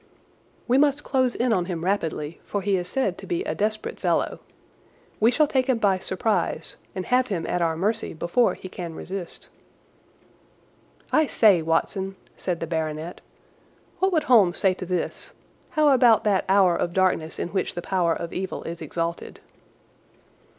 "We must close in on him rapidly, for he is said to be a desperate fellow. We shall take him by surprise and have him at our mercy before he can resist." "I say, Watson," said the baronet, "what would Holmes say to this? How about that hour of darkness in which the power of evil is exalted?"